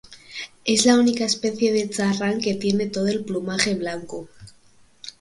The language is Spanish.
Es la única especie de charrán que tiene todo el plumaje blanco.